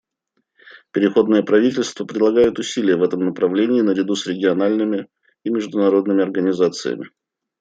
Переходное правительство прилагает усилия в этом направлении наряду с региональными и международными организациями.